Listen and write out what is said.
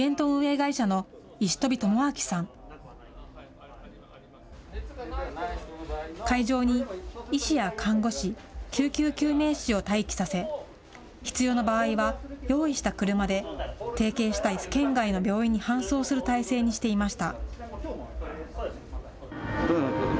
会場に医師や看護師、救急救命士を待機させ、必要な場合は用意した車で、提携した県外の病院へ搬送する体制にしていました。